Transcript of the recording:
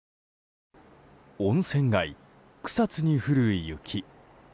温泉街・草津に降る雪。